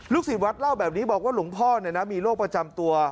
ศิษย์วัดเล่าแบบนี้บอกว่าหลวงพ่อมีโรคประจำตัว